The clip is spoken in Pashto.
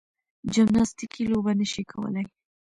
جمناستیکي لوبه نه شي کولای.